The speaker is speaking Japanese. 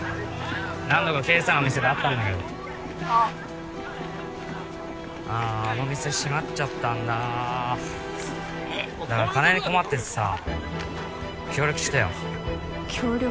何度かＫさんの店で会ったんだけど☎あああああの店閉まっちゃったんだだから金に困っててさ協力してよ協力？